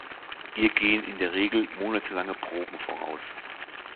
Ihr gehen in der Regel monatelange Proben voraus.